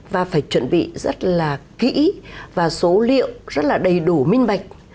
và phải chuẩn bị rất là kỹ và số liệu rất là đầy đủ minh bạch